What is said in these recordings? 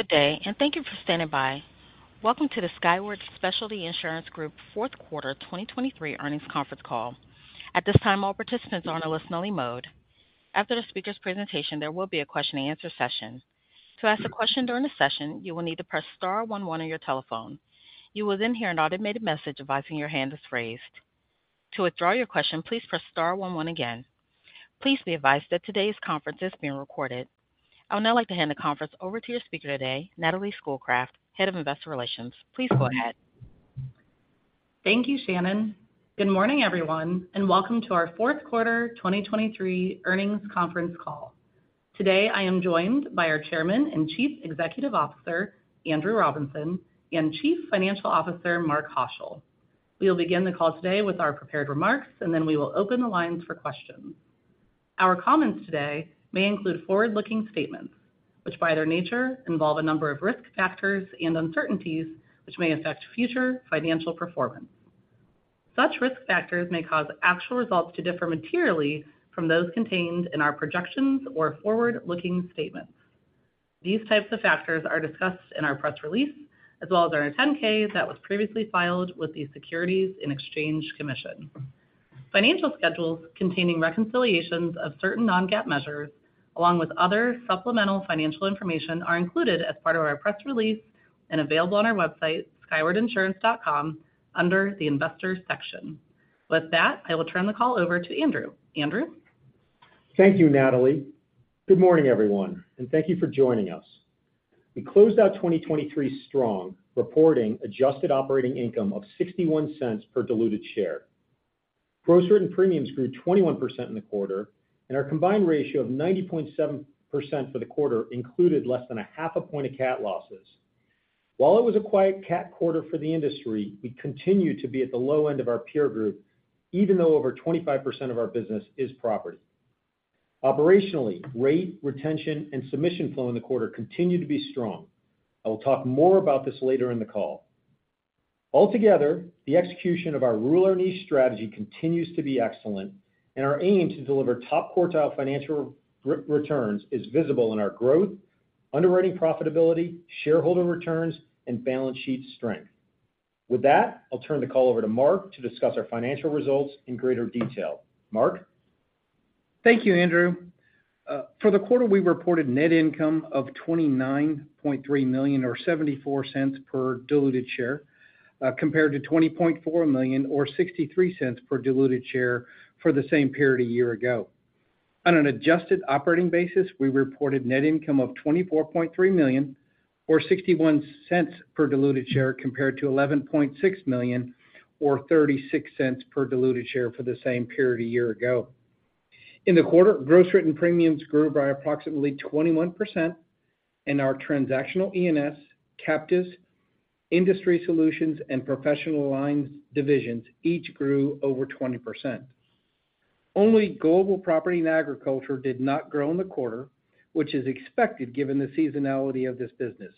Good day, and thank you for standing by. Welcome to the Skyward Specialty Insurance Group fourth quarter 2023 earnings conference call. At this time, all participants are on a listen-only mode. After the speaker's presentation, there will be a question-and-answer session. To ask a question during the session, you will need to press star 11 on your telephone. You will then hear an automated message advising your hand is raised. To withdraw your question, please press star 11 again. Please be advised that today's conference is being recorded. I would now like to hand the conference over to your speaker today, Natalie Schoolcraft, head of investor relations. Please go ahead. Thank you, Shannon. Good morning, everyone, and welcome to our fourth quarter 2023 earnings conference call. Today I am joined by our Chairman and Chief Executive Officer, Andrew Robinson, and Chief Financial Officer, Mark Haushill. We will begin the call today with our prepared remarks, and then we will open the lines for questions. Our comments today may include forward-looking statements, which by their nature involve a number of risk factors and uncertainties which may affect future financial performance. Such risk factors may cause actual results to differ materially from those contained in our projections or forward-looking statements. These types of factors are discussed in our press release, as well as our 10-K that was previously filed with the Securities and Exchange Commission. Financial schedules containing reconciliations of certain non-GAAP measures, along with other supplemental financial information, are included as part of our press release and available on our website, skywardinsurance.com, under the investor section. With that, I will turn the call over to Andrew. Andrew? Thank you, Natalie. Good morning, everyone, and thank you for joining us. We closed out 2023 strong, reporting adjusted operating income of $0.61 per diluted share. Gross written premiums grew 21% in the quarter, and our combined ratio of 90.7% for the quarter included less than a half a point of CAT losses. While it was a quiet CAT quarter for the industry, we continued to be at the low end of our peer group, even though over 25% of our business is property. Operationally, rate, retention, and submission flow in the quarter continued to be strong. I will talk more about this later in the call. Altogether, the execution of our Rule Our Niche strategy continues to be excellent, and our aim to deliver top quartile financial returns is visible in our growth, underwriting profitability, shareholder returns, and balance sheet strength. With that, I'll turn the call over to Mark to discuss our financial results in greater detail. Mark? Thank you, Andrew. For the quarter, we reported net income of $29.3 million or $0.74 per diluted share, compared to $20.4 million or $0.63 per diluted share for the same period a year ago. On an adjusted operating basis, we reported net income of $24.3 million or $0.61 per diluted share, compared to $11.6 million or $0.36 per diluted share for the same period a year ago. In the quarter, gross written premiums grew by approximately 21%, and our Transactional E&S, Captives, Industry Solutions, and Professional Lines divisions each grew over 20%. Only Global Property and Agriculture did not grow in the quarter, which is expected given the seasonality of this business.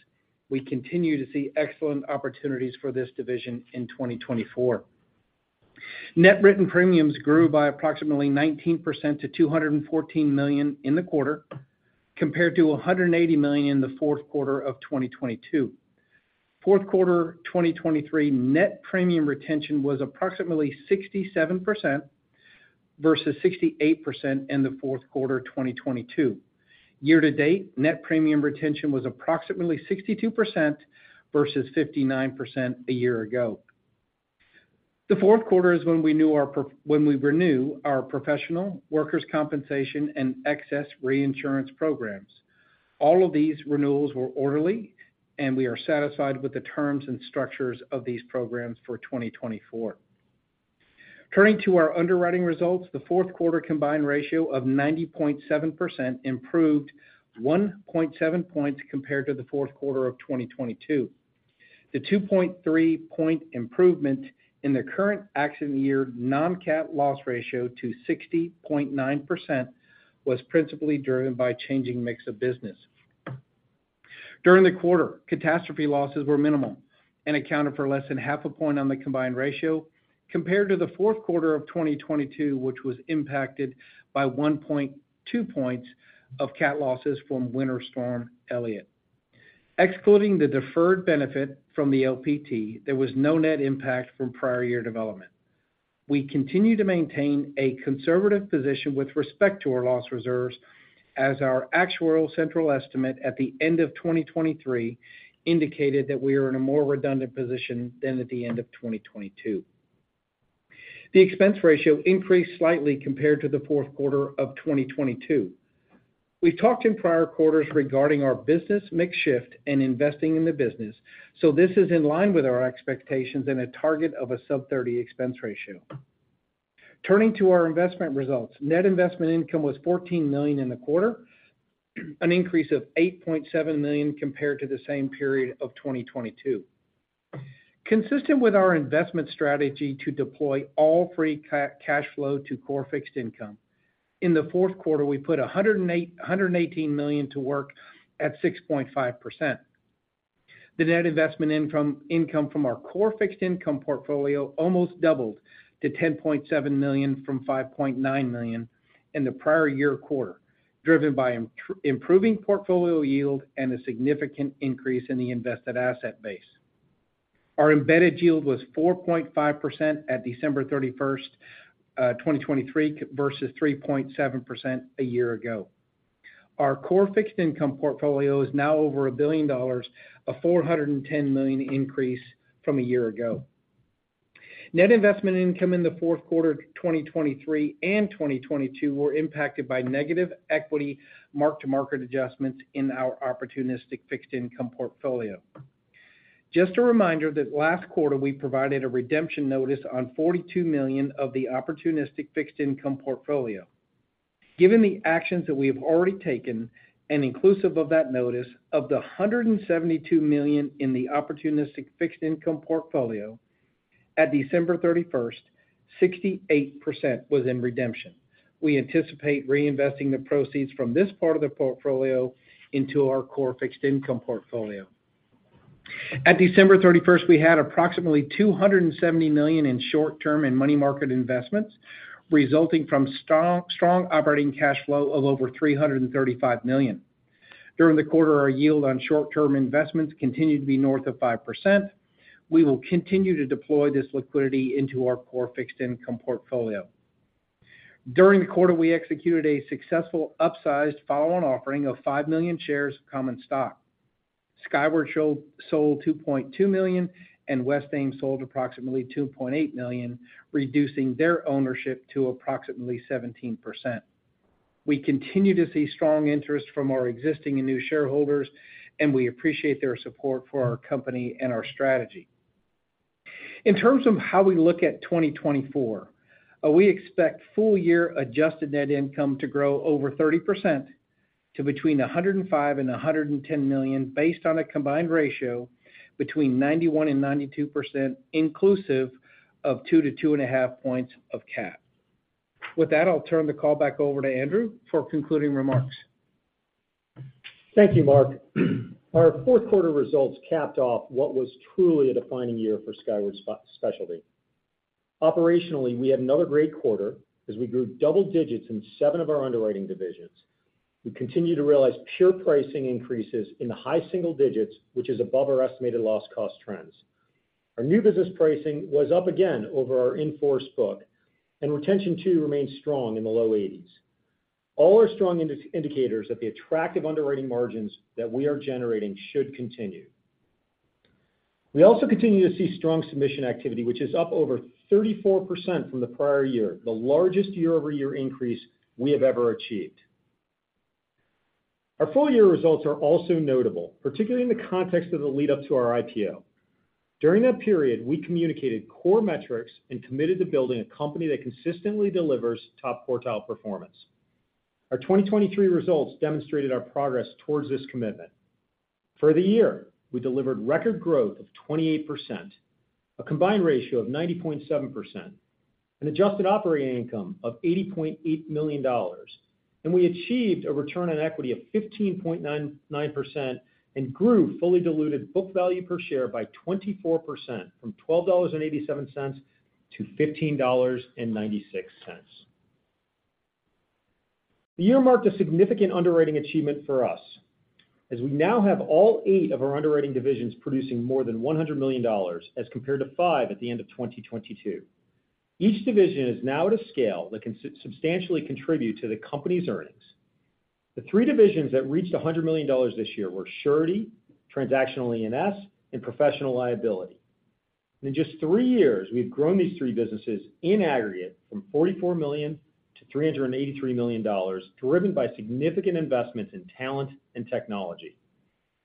We continue to see excellent opportunities for this division in 2024. Net written premiums grew by approximately 19% to $214 million in the quarter, compared to $180 million in the fourth quarter of 2022. Fourth quarter 2023 net premium retention was approximately 67% versus 68% in the fourth quarter 2022. Year to date, net premium retention was approximately 62% versus 59% a year ago. The fourth quarter is when we renew our professional, workers' compensation, and excess reinsurance programs. All of these renewals were orderly, and we are satisfied with the terms and structures of these programs for 2024. Turning to our underwriting results, the fourth quarter combined ratio of 90.7% improved 1.7 points compared to the fourth quarter of 2022. The 2.3-point improvement in the current accident year non-CAT loss ratio to 60.9% was principally driven by changing mix of business. During the quarter, catastrophe losses were minimal and accounted for less than half a point on the combined ratio, compared to the fourth quarter of 2022, which was impacted by 1.2 points of CAT losses from Winter Storm Elliott. Excluding the deferred benefit from the LPT, there was no net impact from prior year development. We continue to maintain a conservative position with respect to our loss reserves, as our actuarial central estimate at the end of 2023 indicated that we are in a more redundant position than at the end of 2022. The expense ratio increased slightly compared to the fourth quarter of 2022. We've talked in prior quarters regarding our business mix shift and investing in the business, so this is in line with our expectations and a target of a sub-30 expense ratio. Turning to our investment results, net investment income was $14 million in the quarter, an increase of $8.7 million compared to the same period of 2022. Consistent with our investment strategy to deploy all free cash flow to core fixed income, in the fourth quarter, we put $118 million to work at 6.5%. The net investment income from our core fixed income portfolio almost doubled to $10.7 million from $5.9 million in the prior year quarter, driven by improving portfolio yield and a significant increase in the invested asset base. Our embedded yield was 4.5% at December 31st, 2023, versus 3.7% a year ago. Our core fixed income portfolio is now over $1 billion, a $410 million increase from a year ago. Net investment income in the fourth quarter 2023 and 2022 were impacted by negative equity mark-to-market adjustments in our opportunistic fixed income portfolio. Just a reminder that last quarter, we provided a redemption notice on $42 million of the opportunistic fixed income portfolio. Given the actions that we have already taken and inclusive of that notice, of the $172 million in the opportunistic fixed income portfolio, at December 31st, 68% was in redemption. We anticipate reinvesting the proceeds from this part of the portfolio into our core fixed income portfolio. At December 31st, we had approximately $270 million in short-term and money market investments, resulting from strong operating cash flow of over $335 million. During the quarter, our yield on short-term investments continued to be north of 5%. We will continue to deploy this liquidity into our core fixed income portfolio. During the quarter, we executed a successful upsized follow-on offering of 5 million shares of common stock. Skyward sold 2.2 million and Westaim sold approximately 2.8 million, reducing their ownership to approximately 17%. We continue to see strong interest from our existing and new shareholders, and we appreciate their support for our company and our strategy. In terms of how we look at 2024, we expect full-year adjusted net income to grow over 30% to between $105 million and $110 million based on a combined ratio between 91% and 92% inclusive of 2-2.5 points of CAT. With that, I'll turn the call back over to Andrew for concluding remarks. Thank you, Mark. Our fourth quarter results capped off what was truly a defining year for Skyward Specialty. Operationally, we had another great quarter as we grew double digits in seven of our underwriting divisions. We continue to realize pure pricing increases in the high single digits, which is above our estimated loss cost trends. Our new business pricing was up again over our in-force book, and retention too remains strong in the low 80s. All are strong indicators that the attractive underwriting margins that we are generating should continue. We also continue to see strong submission activity, which is up over 34% from the prior year, the largest year-over-year increase we have ever achieved. Our full-year results are also notable, particularly in the context of the lead-up to our IPO. During that period, we communicated core metrics and committed to building a company that consistently delivers top quartile performance. Our 2023 results demonstrated our progress toward this commitment. For the year, we delivered record growth of 28%, a combined ratio of 90.7%, an adjusted operating income of $80.8 million, and we achieved a return on equity of 15.9% and grew fully diluted book value per share by 24% from $12.87 to $15.96. The year marked a significant underwriting achievement for us as we now have all eight of our underwriting divisions producing more than $100 million as compared to five at the end of 2022. Each division is now at a scale that can substantially contribute to the company's earnings. The three divisions that reached $100 million this year were Surety, Transactional E&S, and Professional Liability. And in just three years, we've grown these three businesses in aggregate from $44 million to $383 million, driven by significant investments in talent and technology.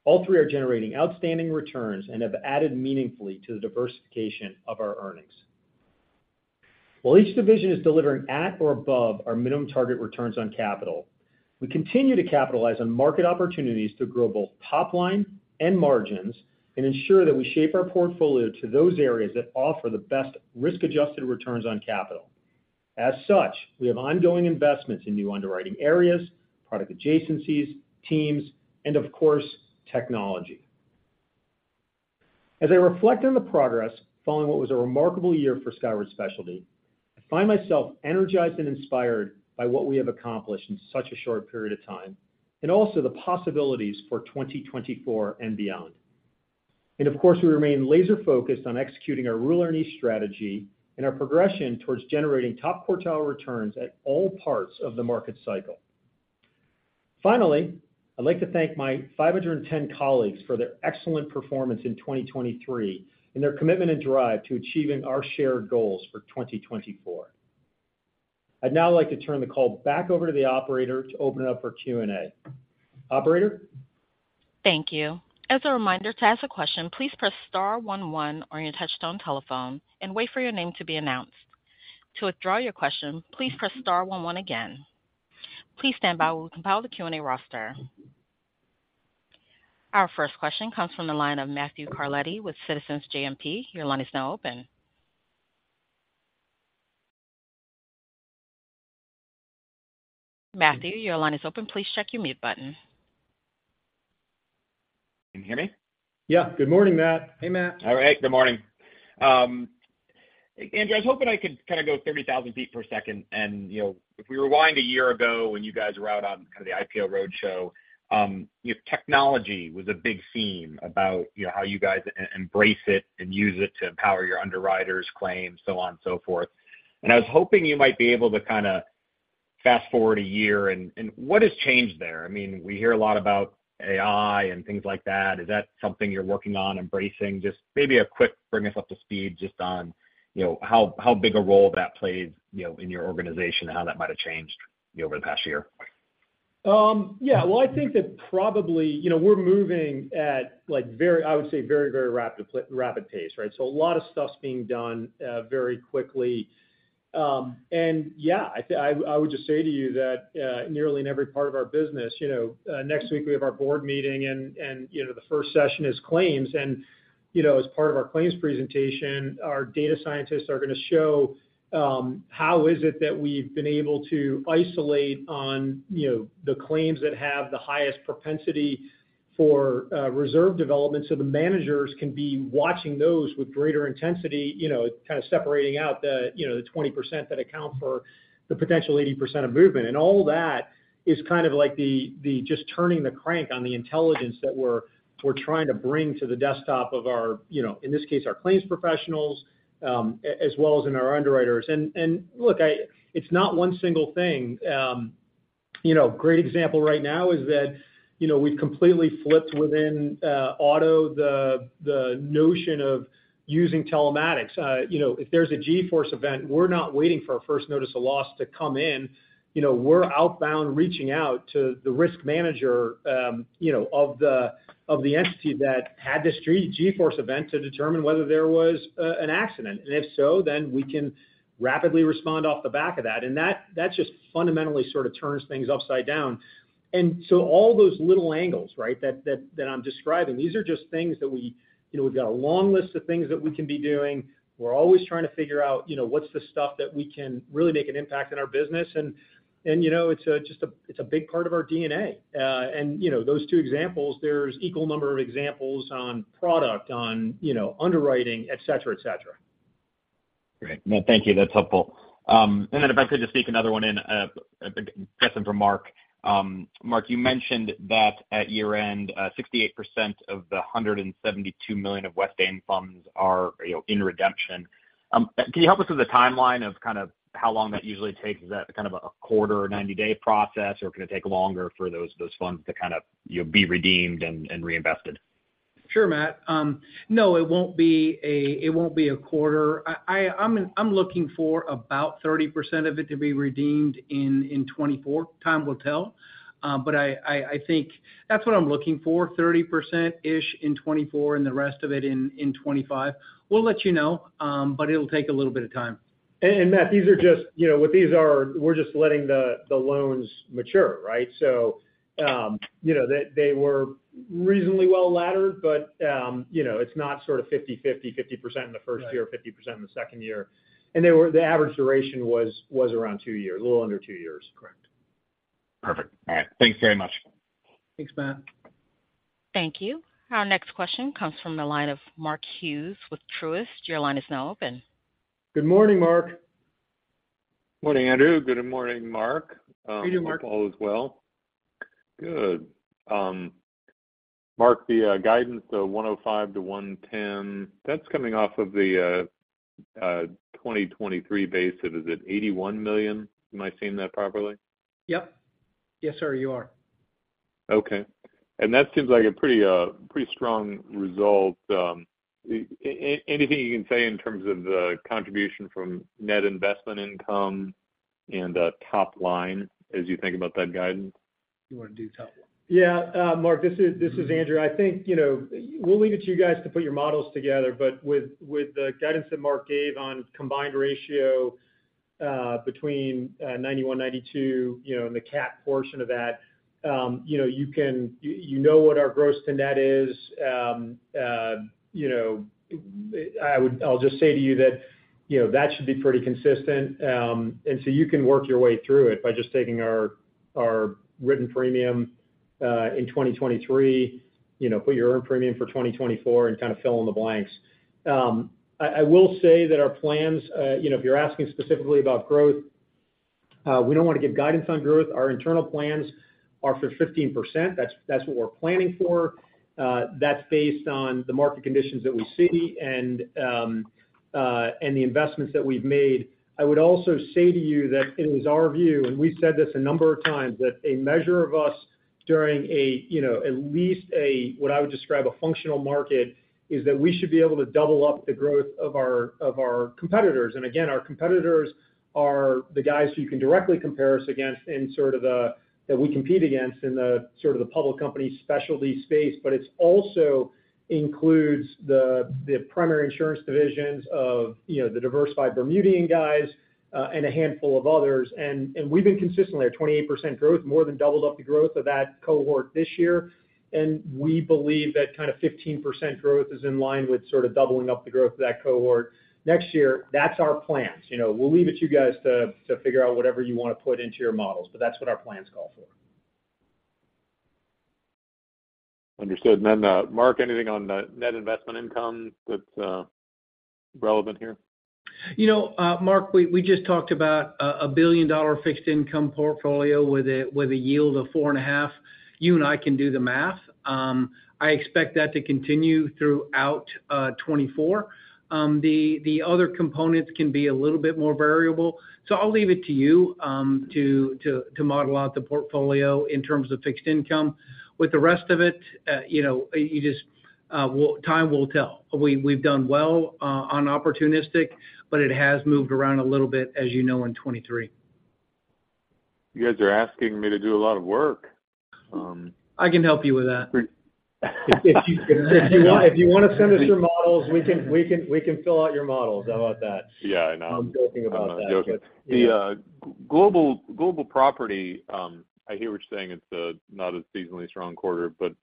All three are generating outstanding returns and have added meaningfully to the diversification of our earnings. While each division is delivering at or above our minimum target returns on capital, we continue to capitalize on market opportunities to grow both top line and margins and ensure that we shape our portfolio to those areas that offer the best risk-adjusted returns on capital. As such, we have ongoing investments in new underwriting areas, product adjacencies, teams, and, of course, technology. As I reflect on the progress following what was a remarkable year for Skyward Specialty, I find myself energized and inspired by what we have accomplished in such a short period of time and also the possibilities for 2024 and beyond. And, of course, we remain laser-focused on executing our Rule Our Niche strategy and our progression towards generating top quartile returns at all parts of the market cycle. Finally, I'd like to thank my 510 colleagues for their excellent performance in 2023 and their commitment and drive to achieving our shared goals for 2024. I'd now like to turn the call back over to the operator to open it up for Q&A. Operator? Thank you. As a reminder, to ask a question, please press star 11 on your touch-tone telephone and wait for your name to be announced. To withdraw your question, please press star 11 again. Please stand by while we compile the Q&A roster. Our first question comes from the line of Matthew Carletti with Citizens JMP. Your line is now open. Matthew, your line is open. Please check your mute button. Can you hear me? Yeah. Good morning, Matt. Hey, Matt. All right. Good morning. Andrew, I was hoping I could kind of go 30,000 feet per second. And if we rewind a year ago when you guys were out on kind of the IPO roadshow, technology was a big theme about how you guys embrace it and use it to empower your underwriters, claims, so on and so forth. And I was hoping you might be able to kind of fast forward a year. And what has changed there? I mean, we hear a lot about AI and things like that. Is that something you're working on, embracing? Just maybe a quick bring us up to speed just on how big a role that plays in your organization and how that might have changed over the past year. Yeah. Well, I think that probably we're moving at, I would say, very, very rapid pace, right? So a lot of stuff's being done very quickly. And yeah, I would just say to you that nearly in every part of our business next week, we have our board meeting, and the first session is claims. And as part of our claims presentation, our data scientists are going to show how it is that we've been able to isolate on the claims that have the highest propensity for reserve development. So the managers can be watching those with greater intensity, kind of separating out the 20% that account for the potential 80% of movement. And all that is kind of like just turning the crank on the intelligence that we're trying to bring to the desktop of our, in this case, our claims professionals, as well as in our underwriters. And look, it's not one single thing. Great example right now is that we've completely flipped within auto the notion of using telematics. If there's a G-force event, we're not waiting for our first notice of loss to come in. We're outbound reaching out to the risk manager of the entity that had this G-force event to determine whether there was an accident. And if so, then we can rapidly respond off the back of that. And that just fundamentally sort of turns things upside down. And so all those little angles, right, that I'm describing, these are just things that we've got a long list of things that we can be doing. We're always trying to figure out what's the stuff that we can really make an impact in our business. And it's just a big part of our DNA. Those two examples, there's equal number of examples on product, on underwriting, etc., etc. Great. No, thank you. That's helpful. And then if I could just sneak another one in, a question from Mark. Mark, you mentioned that at year-end, 68% of the $172 million of Westaim funds are in redemption. Can you help us with the timeline of kind of how long that usually takes? Is that kind of a quarter or 90-day process, or can it take longer for those funds to kind of be redeemed and reinvested? Sure, Matt. No, it won't be a quarter. I'm looking for about 30% of it to be redeemed in 2024. Time will tell. But I think that's what I'm looking for, 30%-ish in 2024 and the rest of it in 2025. We'll let you know, but it'll take a little bit of time. Matt, these are just with these, or we're just letting the loans mature, right? So they were reasonably well laddered, but it's not sort of 50/50, 50% in the first year or 50% in the second year. The average duration was around two years, a little under two years. Correct. Perfect. All right. Thanks very much. Thanks, Matt. Thank you. Our next question comes from the line of Mark Hughes with Truist. Your line is now open. Good morning, Mark. Morning, Andrew. Good morning, Mark. How are you doing, Mark? Hopefully, all is well. Good. Mark, the guidance, the 105-110, that's coming off of the 2023 basis. Is it $81 million? Am I seeing that properly? Yep. Yes, sir, you are. Okay. And that seems like a pretty strong result. Anything you can say in terms of the contribution from net investment income and top line as you think about that guidance? You want to do top line? Yeah, Mark, this is Andrew. I think we'll leave it to you guys to put your models together. But with the guidance that Mark gave on combined ratio between 91-92 and the CAT portion of that, you know what our gross to net is. I'll just say to you that that should be pretty consistent. And so you can work your way through it by just taking our written premium in 2023, put your earned premium for 2024, and kind of fill in the blanks. I will say that our plans, if you're asking specifically about growth, we don't want to give guidance on growth. Our internal plans are for 15%. That's what we're planning for. That's based on the market conditions that we see and the investments that we've made. I would also say to you that it is our view, and we've said this a number of times, that a measure of us during at least what I would describe a functional market is that we should be able to double up the growth of our competitors. And again, our competitors are the guys who you can directly compare us against and sort of that we compete against in sort of the public company specialty space. But it also includes the primary insurance divisions of the diversified Bermudian guys and a handful of others. And we've been consistently at 28% growth, more than doubled up the growth of that cohort this year. And we believe that kind of 15% growth is in line with sort of doubling up the growth of that cohort next year. That's our plans. We'll leave it to you guys to figure out whatever you want to put into your models. But that's what our plans call for. Understood. And then, Mark, anything on net investment income that's relevant here? Mark, we just talked about a billion-dollar fixed income portfolio with a yield of 4.5%. You and I can do the math. I expect that to continue throughout 2024. The other components can be a little bit more variable. I'll leave it to you to model out the portfolio in terms of fixed income. With the rest of it, time will tell. We've done well on opportunistic, but it has moved around a little bit, as you know, in 2023. You guys are asking me to do a lot of work. I can help you with that. If you want to send us your models, we can fill out your models. How about that? Yeah, I know. I'm joking about that. I know. I'm joking. The Global Property, I hear what you're saying. It's not a seasonally strong quarter. But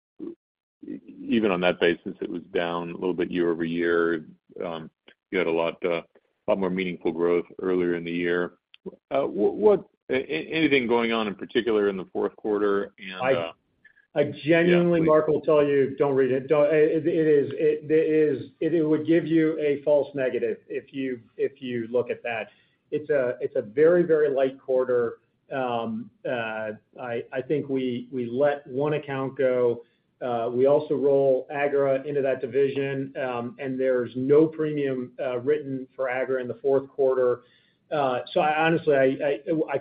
even on that basis, it was down a little bit year-over-year. You had a lot more meaningful growth earlier in the year. Anything going on in particular in the fourth quarter and? I genuinely, Mark, will tell you, don't read it. It is. It would give you a false negative if you look at that. It's a very, very light quarter. I think we let one account go. We also roll Agro into that division, and there's no premium written for Agro in the fourth quarter. So honestly, I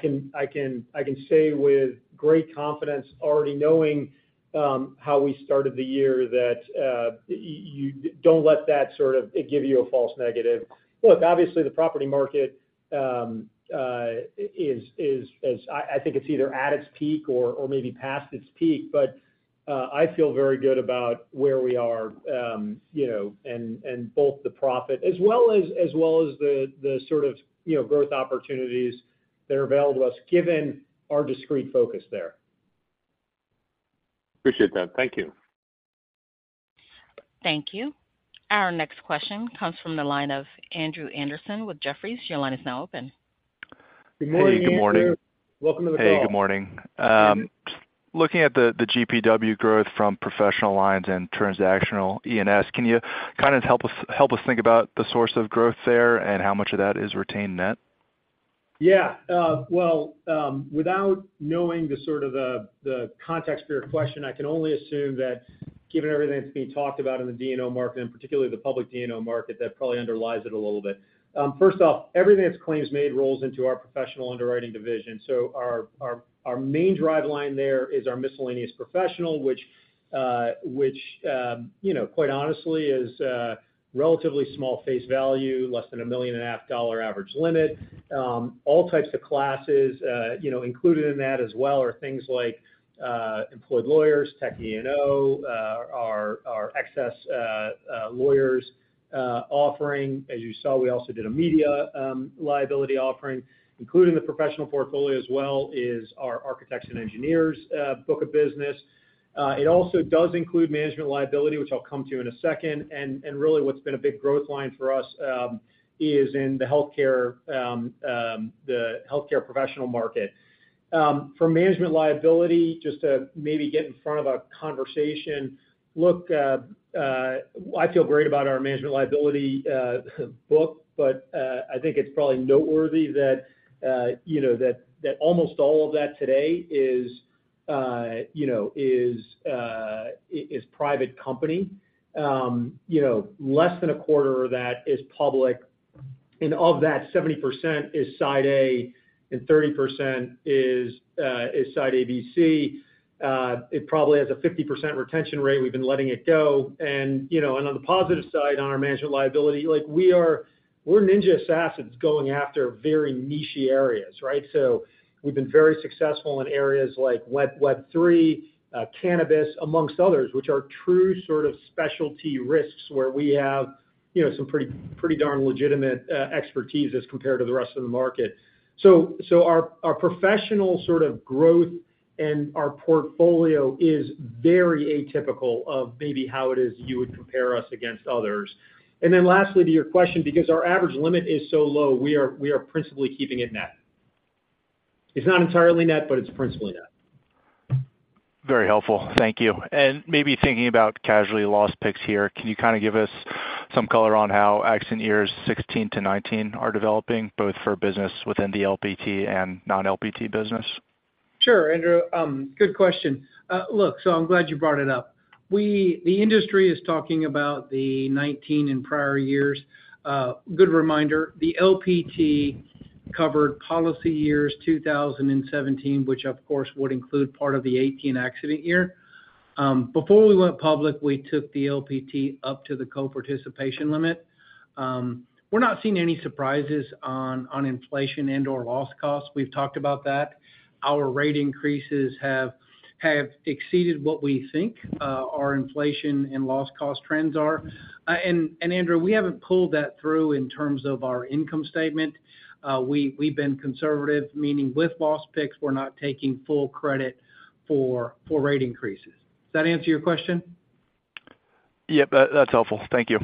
can say with great confidence, already knowing how we started the year, that you don't let that sort of give you a false negative. Look, obviously, the property market is, I think it's either at its peak or maybe past its peak. But I feel very good about where we are and both the profit as well as the sort of growth opportunities that are available to us given our discrete focus there. Appreciate that. Thank you. Thank you. Our next question comes from the line of Andrew Andersen with Jefferies. Your line is now open. Good morning. Hey, good morning. Welcome to the call. Hey, good morning. Just looking at the GWP growth from Professional Lines and Transactional E&S, can you kind of help us think about the source of growth there and how much of that is retained net? Yeah. Well, without knowing the sort of the context for your question, I can only assume that given everything that's being talked about in the D&O market and particularly the public D&O market, that probably underlies it a little bit. First off, everything that's claims made rolls into our professional underwriting division. So our main driveline there is our miscellaneous professional, which, quite honestly, is relatively small face value, less than $1.5 million average limit. All types of classes included in that as well are things like employed lawyers, tech E&O, our excess lawyers offering. As you saw, we also did a media liability offering. Included in the professional portfolio as well is our architects and engineers book of business. It also does include management liability, which I'll come to in a second. Really, what's been a big growth line for us is in the healthcare professional market. For management liability, just to maybe get in front of a conversation, look, I feel great about our Management Liability book, but I think it's probably noteworthy that almost all of that today is private company. Less than a quarter of that is public. Of that, 70% is Side A and 30% is Side ABC. It probably has a 50% retention rate. We've been letting it go. On the positive side on our Management Liability, we're niche assets going after very niche areas, right? So we've been very successful in areas like Web3, cannabis, among others, which are true sort of specialty risks where we have some pretty darn legitimate expertise as compared to the rest of the market. So our professional sort of growth and our portfolio is very atypical of maybe how it is you would compare us against others. And then lastly, to your question, because our average limit is so low, we are principally keeping it net. It's not entirely net, but it's principally net. Very helpful. Thank you. Maybe thinking about catastrophe loss picks here, can you kind of give us some color on how accident years 2016 to 2019 are developing, both for business within the LPT and non-LPT business? Sure, Andrew. Good question. Look, so I'm glad you brought it up. The industry is talking about the 2019 and prior years. Good reminder, the LPT covered policy years 2017, which, of course, would include part of the 2018 accident year. Before we went public, we took the LPT up to the co-participation limit. We're not seeing any surprises on inflation and/or loss costs. We've talked about that. Our rate increases have exceeded what we think our inflation and loss cost trends are. And, Andrew. We haven't pulled that through in terms of our income statement. We've been conservative, meaning with loss picks, we're not taking full credit for rate increases. Does that answer your question? Yep. That's helpful. Thank you.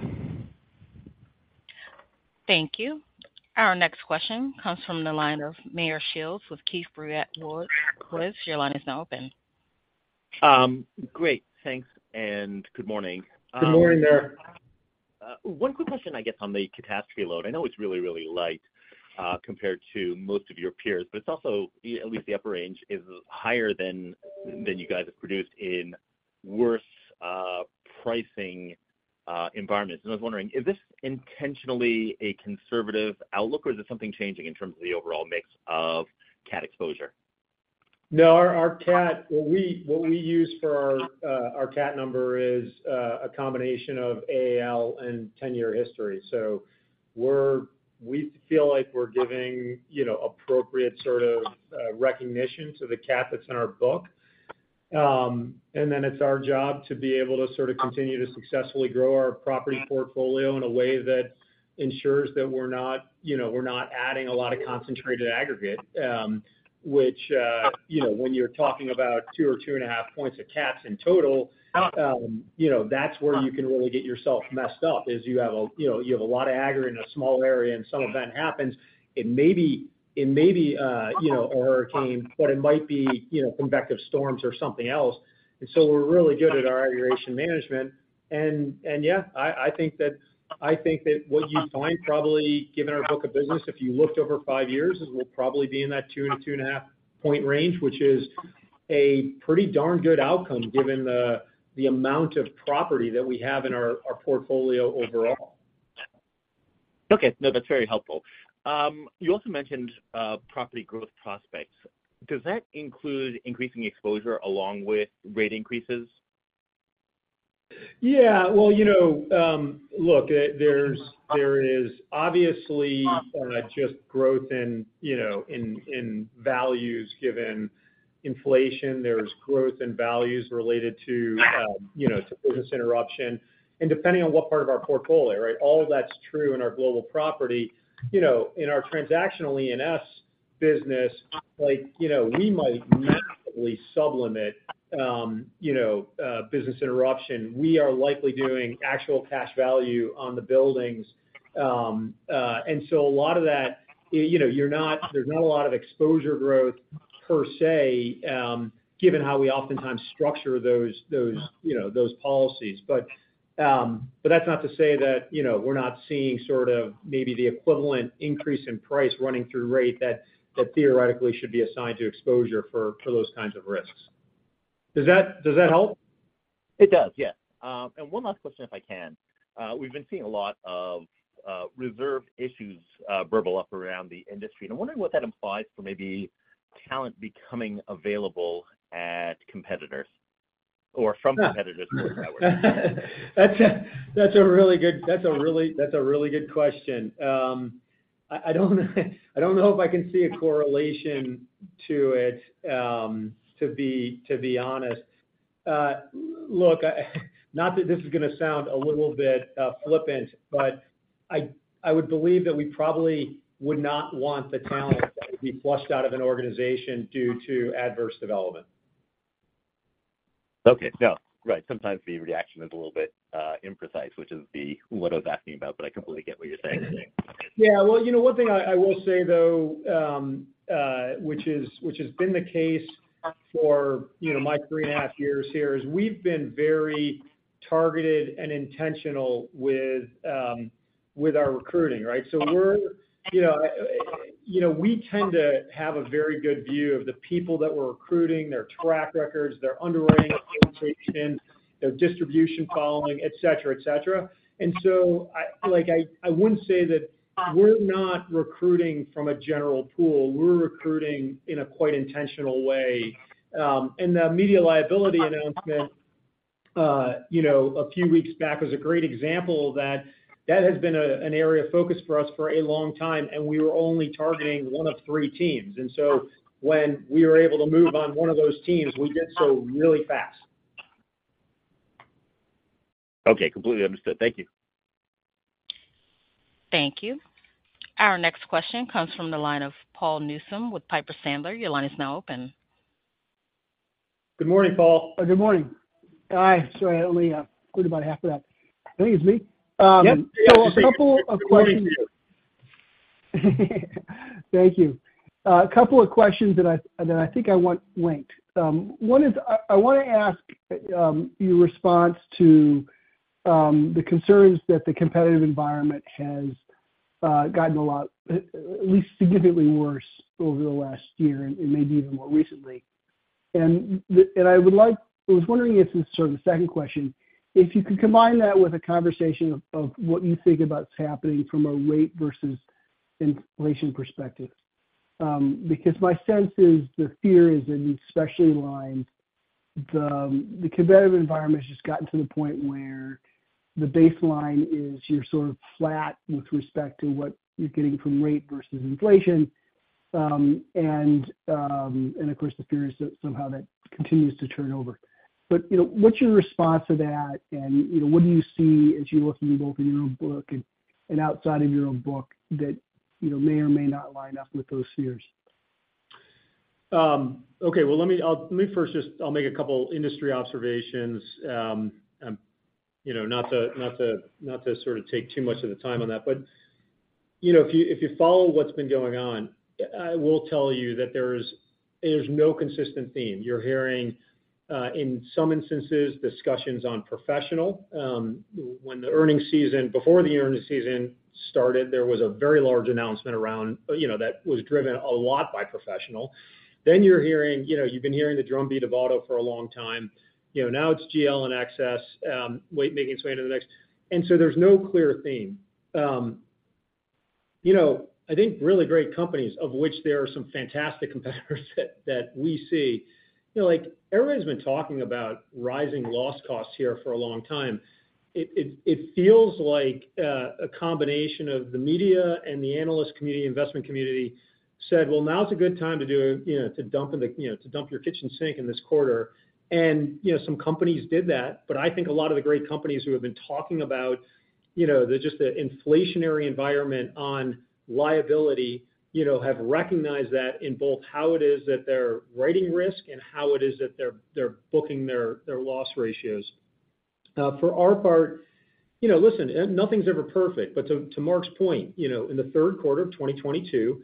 Thank you. Our next question comes from the line of Meyer Shields with Keefe, Bruyette & Woods. Your line is now open. Great. Thanks. Good morning. Good morning, there. One quick question, I guess, on the catastrophe load. I know it's really, really light compared to most of your peers, but it's also at least the upper range is higher than you guys have produced in worse pricing environments. And I was wondering, is this intentionally a conservative outlook, or is it something changing in terms of the overall mix of CAT exposure? No, our CAT, what we use for our CAT number, is a combination of AAL and 10-year history. So we feel like we're giving appropriate sort of recognition to the CAT that's in our book. And then it's our job to be able to sort of continue to successfully grow our property portfolio in a way that ensures that we're not adding a lot of concentrated aggregate, which when you're talking about 2 or 2.5 points of CATs in total, that's where you can really get yourself messed up, is you have a lot of aggregate in a small area, and some event happens. It may be a hurricane, but it might be convective storms or something else. And so we're really good at our aggregation management. Yeah, I think that what you'd find probably, given our book of business, if you looked over five years, is we'll probably be in that 2.5-point range, which is a pretty darn good outcome given the amount of property that we have in our portfolio overall. Okay. No, that's very helpful. You also mentioned property growth prospects. Does that include increasing exposure along with rate increases? Yeah. Well, look, there is obviously just growth in values given inflation. There's growth in values related to business interruption. And depending on what part of our portfolio, right, all that's true in our Global Property. In our Transactional E&S business, we might massively sublimit business interruption. We are likely doing actual cash value on the buildings. And so a lot of that there's not a lot of exposure growth per se, given how we oftentimes structure those policies. But that's not to say that we're not seeing sort of maybe the equivalent increase in price running through rate that theoretically should be assigned to exposure for those kinds of risks. Does that help? It does. Yes. And one last question, if I can. We've been seeing a lot of reserve issues burbling up around the industry. And I'm wondering what that implies for maybe talent becoming available at competitors or from competitors, for whatever that word. That's a really good question. I don't know if I can see a correlation to it, to be honest. Look, not that this is going to sound a little bit flippant, but I would believe that we probably would not want the talent that would be flushed out of an organization due to adverse development. Okay. No. Right. Sometimes the reaction is a little bit imprecise, which is what I was asking about, but I completely get what you're saying. Yeah. Well, one thing I will say, though, which has been the case for my three and a half years here, is we've been very targeted and intentional with our recruiting, right? So we tend to have a very good view of the people that we're recruiting, their track records, their underwriting applications, their distribution following, etc., etc. And so I wouldn't say that we're not recruiting from a general pool. We're recruiting in a quite intentional way. And the media liability announcement a few weeks back was a great example of that. That has been an area of focus for us for a long time, and we were only targeting one of three teams. And so when we were able to move on one of those teams, we did so really fast. Okay. Completely understood. Thank you. Thank you. Our next question comes from the line of Paul Newsome with Piper Sandler. Your line is now open. Good morning, Paul. Good morning. Hi. Sorry, I only heard about half of that. I think it's me. So a couple of questions. Good morning, Andrew. Thank you. A couple of questions that I think I want ranked. One is I want to ask your response to the concerns that the competitive environment has gotten a lot, at least significantly worse over the last year and maybe even more recently. And I would like I was wondering if this is sort of the second question, if you could combine that with a conversation of what you think about what's happening from a rate versus inflation perspective. Because my sense is the fear is in these specialty lines. The competitive environment has just gotten to the point where the baseline is you're sort of flat with respect to what you're getting from rate versus inflation. And of course, the fear is somehow that continues to turn over. But what's your response to that, and what do you see as you're looking both in your own book and outside of your own book that may or may not line up with those fears? Okay. Well, let me first just I'll make a couple industry observations, not to sort of take too much of the time on that. But if you follow what's been going on, I will tell you that there's no consistent theme. You're hearing, in some instances, discussions on professional. When the earnings season before the earnings season started, there was a very large announcement around that was driven a lot by professional. Then you're hearing you've been hearing the drumbeat of auto for a long time. Now it's GL and excess making its way into the next. And so there's no clear theme. I think really great companies, of which there are some fantastic competitors that we see everybody's been talking about rising loss costs here for a long time. It feels like a combination of the media and the analyst community, investment community, said, "Well, now's a good time to dump your kitchen sink in this quarter." And some companies did that. But I think a lot of the great companies who have been talking about just the inflationary environment on liability have recognized that in both how it is that they're writing risk and how it is that they're booking their loss ratios. For our part, listen, nothing's ever perfect. But to Mark's point, in the third quarter of 2022,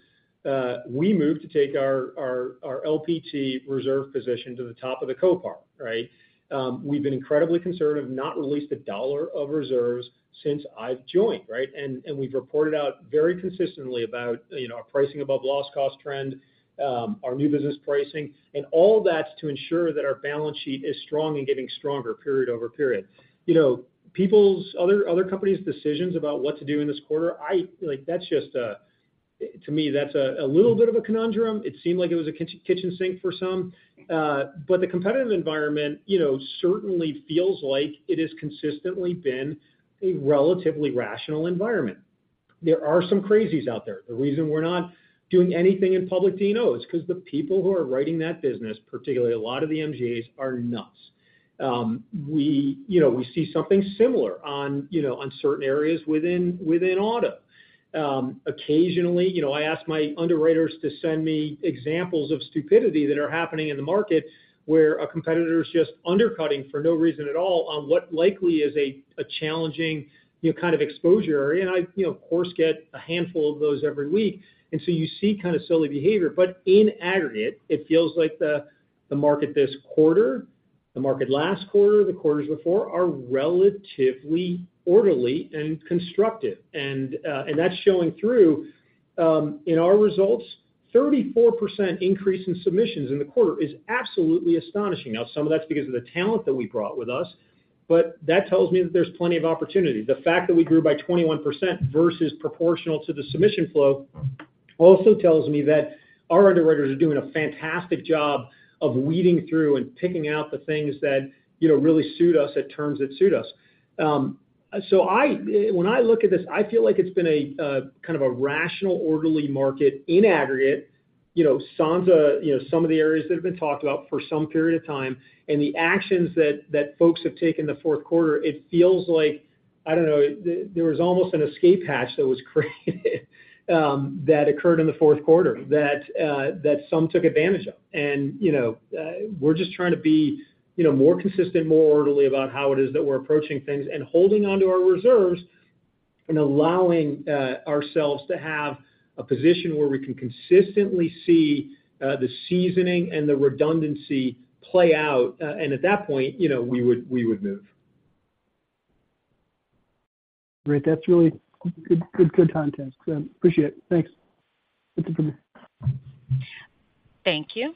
we moved to take our LPT reserve position to the top of the co-part, right? We've been incredibly conservative, not released a dollar of reserves since I've joined, right? And we've reported out very consistently about our pricing above loss cost trend, our new business pricing. All that's to ensure that our balance sheet is strong and getting stronger period-over-period. Other companies' decisions about what to do in this quarter, to me, that's a little bit of a conundrum. It seemed like it was a kitchen sink for some. But the competitive environment certainly feels like it has consistently been a relatively rational environment. There are some crazies out there. The reason we're not doing anything in public D&O is because the people who are writing that business, particularly a lot of the MGAs, are nuts. We see something similar on certain areas within auto. Occasionally, I ask my underwriters to send me examples of stupidity that are happening in the market where a competitor is just undercutting for no reason at all on what likely is a challenging kind of exposure area. And I, of course, get a handful of those every week. And so you see kind of silly behavior. But in aggregate, it feels like the market this quarter, the market last quarter, the quarters before, are relatively orderly and constructive. And that's showing through in our results. 34% increase in submissions in the quarter is absolutely astonishing. Now, some of that's because of the talent that we brought with us. But that tells me that there's plenty of opportunity. The fact that we grew by 21% versus proportional to the submission flow also tells me that our underwriters are doing a fantastic job of weeding through and picking out the things that really suit us at terms that suit us. So when I look at this, I feel like it's been kind of a rational, orderly market in aggregate. So are some of the areas that have been talked about for some period of time. And the actions that folks have taken the fourth quarter, it feels like I don't know. There was almost an escape hatch that was created that occurred in the fourth quarter that some took advantage of. And we're just trying to be more consistent, more orderly about how it is that we're approaching things and holding onto our reserves and allowing ourselves to have a position where we can consistently see the seasoning and the redundancy play out. And at that point, we would move. Great. That's really good content. Appreciate it. Thanks. Good to hear from you. Thank you.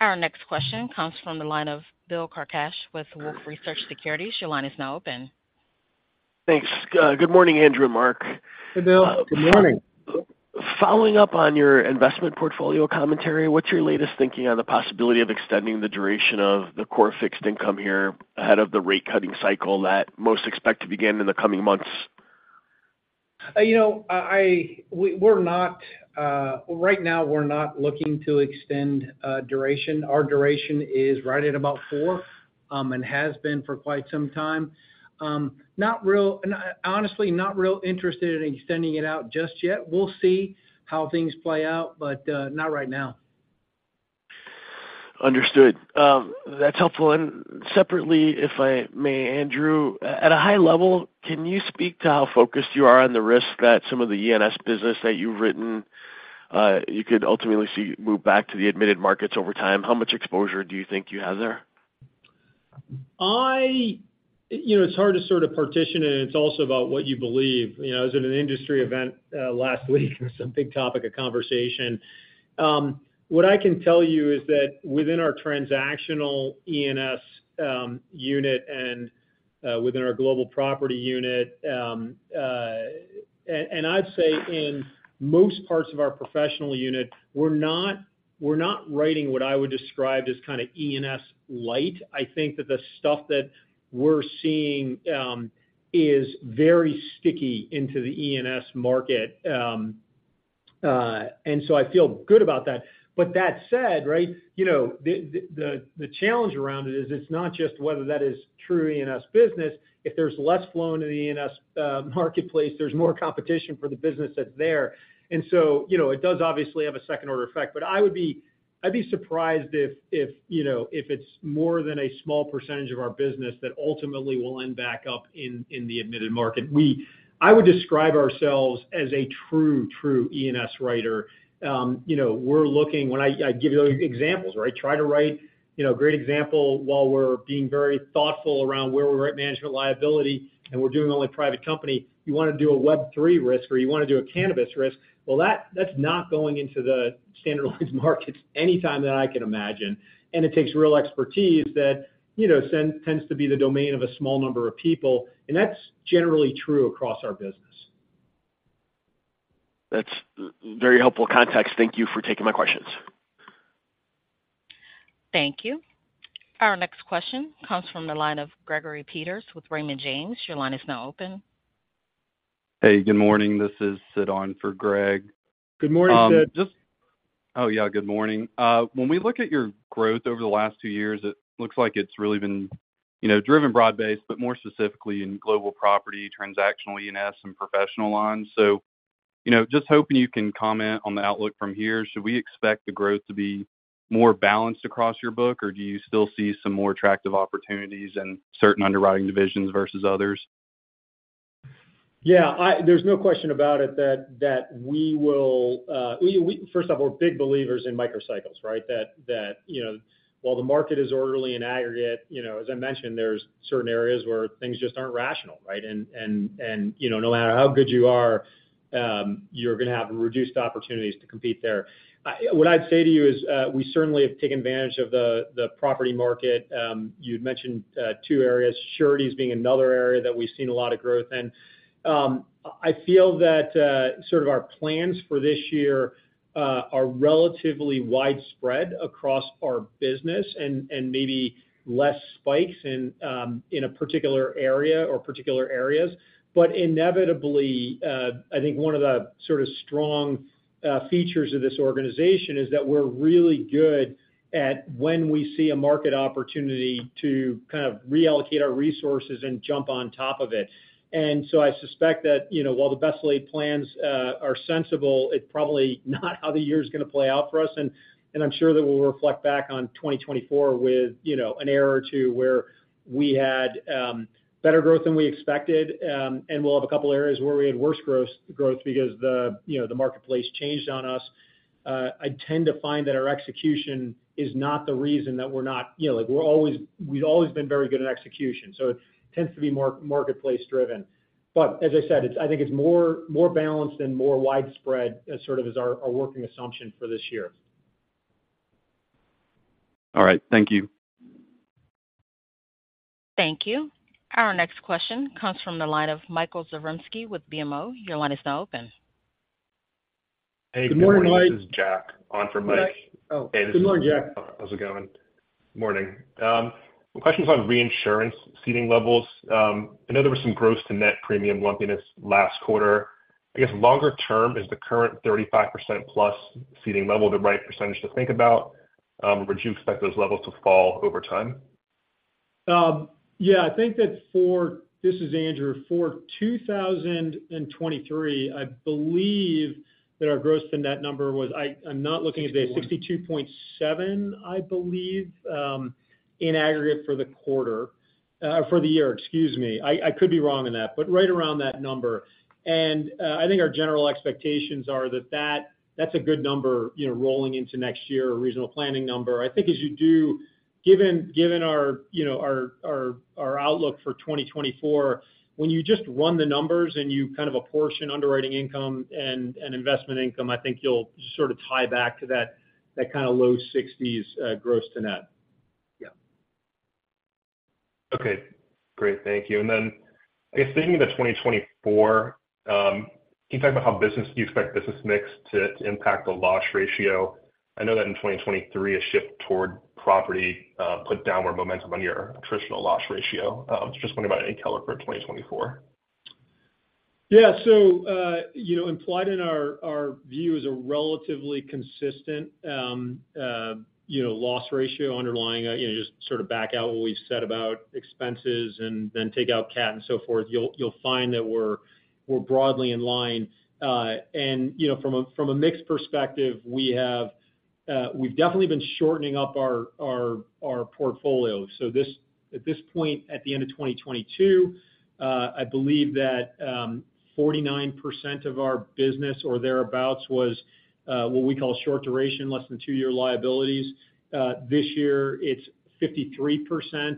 Our next question comes from the line of Bill Carcache with Wolfe Research Securities. Your line is now open. Thanks. Good morning, Andrew and Mark. Hey, Bill. Good morning. Following up on your investment portfolio commentary, what's your latest thinking on the possibility of extending the duration of the core fixed income here ahead of the rate-cutting cycle that most expect to begin in the coming months? Right now, we're not looking to extend duration. Our duration is right at about four and has been for quite some time. Honestly, not real interested in extending it out just yet. We'll see how things play out, but not right now. Understood. That's helpful. And separately, if I may, Andrew, at a high level, can you speak to how focused you are on the risk that some of the E&S business that you've written, you could ultimately see move back to the admitted markets over time? How much exposure do you think you have there? It's hard to sort of partition it. It's also about what you believe. I was at an industry event last week. It was some big topic of conversation. What I can tell you is that within our Transactional E&S unit and within our Global Property unit and I'd say in most parts of our professional unit, we're not writing what I would describe as kind of E&S light. I think that the stuff that we're seeing is very sticky into the E&S market. And so I feel good about that. But that said, right, the challenge around it is it's not just whether that is true E&S business. If there's less flow into the E&S marketplace, there's more competition for the business that's there. And so it does obviously have a second-order effect. But I'd be surprised if it's more than a small percentage of our business that ultimately will end back up in the admitted market. I would describe ourselves as a true, true E&S writer. We're looking when I give you examples, right, try to write a great example while we're being very thoughtful around where we write Management Liability and we're doing only private company, you want to do a Web3 risk or you want to do a cannabis risk. Well, that's not going into the standardized markets anytime that I can imagine. And it takes real expertise that tends to be the domain of a small number of people. And that's generally true across our business. That's very helpful context. Thank you for taking my questions. Thank you. Our next question comes from the line of Gregory Peters with Raymond James. Your line is now open. Hey. Good morning. This is Sid on for Greg. Good morning, Sid. Oh, yeah. Good morning. When we look at your growth over the last two years, it looks like it's really been driven broad-based, but more specifically in Global Property, Transactional E&S, and Professional Lines. So just hoping you can comment on the outlook from here. Should we expect the growth to be more balanced across your book, or do you still see some more attractive opportunities in certain underwriting divisions versus others? Yeah. There's no question about it that we will first of all, we're big believers in microcycles, right, that while the market is orderly in aggregate, as I mentioned, there's certain areas where things just aren't rational, right? And no matter how good you are, you're going to have reduced opportunities to compete there. What I'd say to you is we certainly have taken advantage of the property market. You'd mentioned two areas. Surety is being another area that we've seen a lot of growth in. I feel that sort of our plans for this year are relatively widespread across our business and maybe less spikes in a particular area or particular areas. But inevitably, I think one of the sort of strong features of this organization is that we're really good at when we see a market opportunity to kind of reallocate our resources and jump on top of it. And so I suspect that while the best-laid plans are sensible, it's probably not how the year is going to play out for us. And I'm sure that we'll reflect back on 2024 with an error or two where we had better growth than we expected. And we'll have a couple of areas where we had worse growth because the marketplace changed on us. I tend to find that our execution is not the reason that we are not. We've always been very good at execution. So it tends to be more marketplace-driven. But as I said, I think it's more balanced and more widespread sort of is our working assumption for this year. All right. Thank you. Thank you. Our next question comes from the line of Michael Zaremski with BMO. Your line is now open. Hey. Good morning. Good morning, Mike. This is Jack on for Mike. Good morning, Jack. How's it going? Morning. Questions on reinsurance ceding levels. I know there was some growth to net premium lumpiness last quarter. I guess longer term, is the current 35%+ ceding level the right percentage to think about, or would you expect those levels to fall over time? Yeah. I think that for this is Andrew. For 2023, I believe that our growth to net number was—I'm not looking at the 62.7, I believe, in aggregate for the quarter or for the year. Excuse me. I could be wrong in that, but right around that number. And I think our general expectations are that that's a good number rolling into next year, a reasonable planning number. I think as you do given our outlook for 2024, when you just run the numbers and you kind of apportion underwriting income and investment income, I think you'll sort of tie back to that kind of low 60s growth to net. Yeah. Okay. Great. Thank you. And then I guess thinking about 2024, can you talk about how you expect business mix to impact the loss ratio? I know that in 2023, a shift toward property put downward momentum on your attritional loss ratio. Just wondering about any color for 2024. Yeah. So implied in our view is a relatively consistent loss ratio underlying. Just sort of back out what we've said about expenses and then take out CAT and so forth. You'll find that we're broadly in line. From a mixed perspective, we've definitely been shortening up our portfolio. So at this point, at the end of 2022, I believe that 49% of our business or thereabouts was what we call short-duration, less than 2-year liabilities. This year, it's 53%.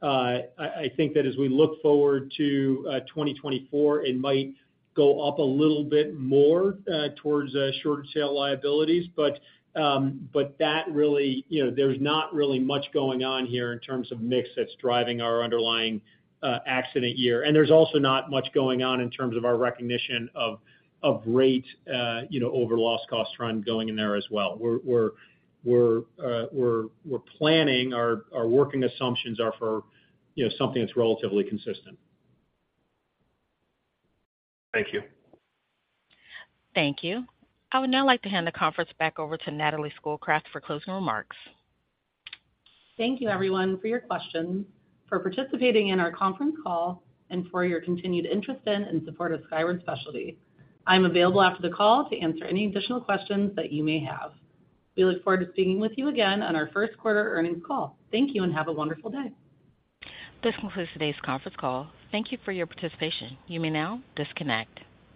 I think that as we look forward to 2024, it might go up a little bit more towards shorter-tail liabilities. But there's not really much going on here in terms of mix that's driving our underlying accident year. And there's also not much going on in terms of our recognition of rate over loss cost trend going in there as well. We're planning. Our working assumptions are for something that's relatively consistent. Thank you. Thank you. I would now like to hand the conference back over to Natalie Schoolcraft for closing remarks. Thank you, everyone, for your questions, for participating in our conference call, and for your continued interest in and support of Skyward Specialty. I'm available after the call to answer any additional questions that you may have. We look forward to speaking with you again on our first quarter earnings call. Thank you and have a wonderful day. This concludes today's conference call. Thank you for your participation. You may now disconnect.